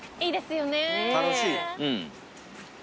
楽しい。